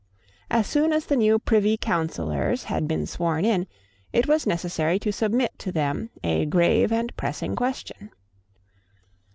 As soon as the new Privy Councillors had been sworn in, it was necessary to submit to them a grave and pressing question.